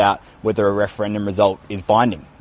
apakah hasil referandum tersebut berhubungan